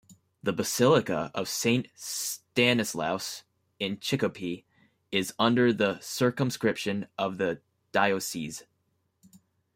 The Basilica of Saint Stanislaus in Chicopee is under the circumscription of the diocese.